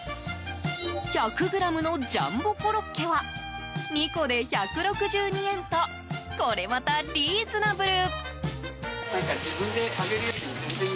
１００ｇのジャンボコロッケは２個で１６２円とこれまたリーズナブル。